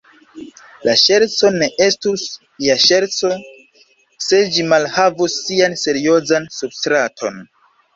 La ŝerco ne estus ja ŝerco, se ĝi malhavus sian seriozan substraton.